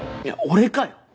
いや俺かよ！